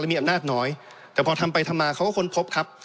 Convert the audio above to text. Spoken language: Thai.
มีอำนาจน้อยแต่พอทำไปทำมาเขาก็ค้นพบครับ